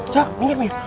cek minggi mir